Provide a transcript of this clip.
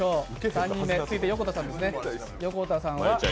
３人目、横田さんですね。